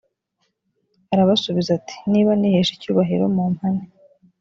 arabasubiza ati niba nihesha icyubahiro mumpane